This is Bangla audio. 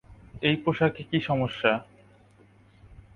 এই পোশাকে কী সমস্যা?